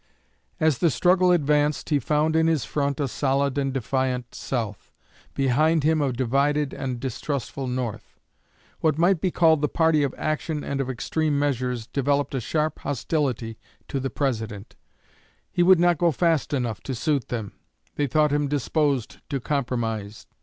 As the struggle advanced he found in his front a solid and defiant South, behind him a divided and distrustful North. What might be called the party of action and of extreme measures developed a sharp hostility to the President. He would not go fast enough to suit them; they thought him disposed to compromise.